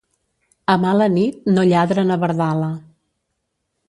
A mala nit no lladra na Verdala.